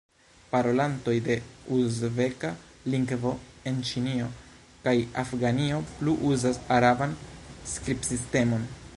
Parolantoj de uzbeka lingvo en Ĉinio kaj Afganio plu uzas araban skribsistemon.